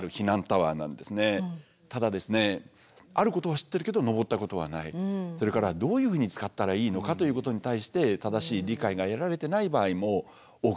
ただあることは知ってるけどのぼったことはないそれからどういうふうに使ったらいいのかということに対して正しい理解が得られてない場合も多く見受けられるんですね。